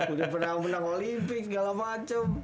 udah pernah menang olimpik segala macem